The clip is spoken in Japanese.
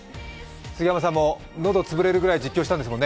杉山さんも喉潰れるくらい実況したんですもんね。